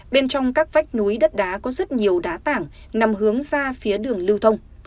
bên trong các vách núi đất đá có rất nhiều đá tảng nằm hướng ra phía đường lưu thông